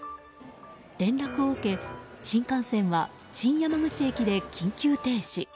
連絡を受け、新幹線は新山口駅で緊急停止。